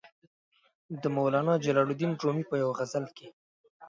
د مولانا جلال الدین رومي په یوې غزل کې.